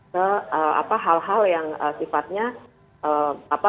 ke hal hal yang sifatnya